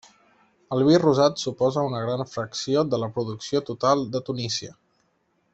El vi rosat suposa una gran fracció de la producció total de Tunísia.